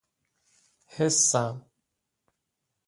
حسم